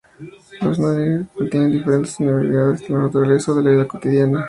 Los" Norigae"s tienen diferentes formas derivadas de la naturaleza o de la vida cotidiana.